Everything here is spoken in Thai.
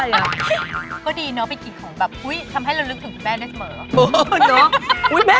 ก็ดีเนาะเป็นกลิ่นของแบบอุ๊ยทำให้เรานึกถึงคุณแม่ได้เสมอ